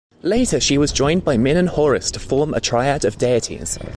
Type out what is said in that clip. Later she was joined by Min and Horus to form a triad of deities.